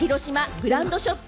ブランドショップ